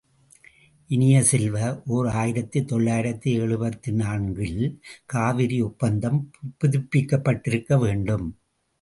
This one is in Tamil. இனிய செல்வ, ஓர் ஆயிரத்து தொள்ளாயிரத்து எழுபத்து நான்கு இல் காவிரி ஒப்பந்தம் புதுப்பிக்கப்பட்டிருக்கவேண்டும்.